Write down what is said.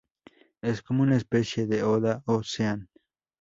Es como una especie de oda a Sean.